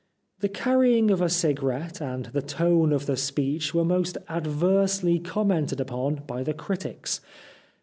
The carrying of a cigarette, and the tone of the speech were most adversely commented upon by the critics.